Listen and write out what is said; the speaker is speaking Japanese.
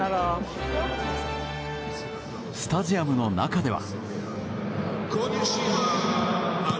スタジアムの中では。